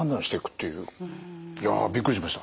いやびっくりしました。